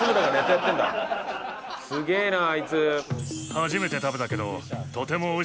すげえなあいつ。